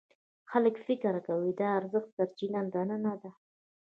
خلک فکر کوي د ارزښت سرچینه دننه ده.